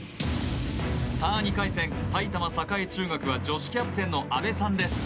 さあ２回戦埼玉栄中学は女子キャプテンの阿部さんです